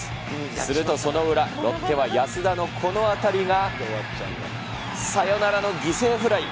するとその裏、ロッテは安田のこの当たりが、サヨナラの犠牲フライ。